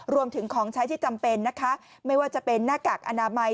ของใช้ที่จำเป็นนะคะไม่ว่าจะเป็นหน้ากากอนามัย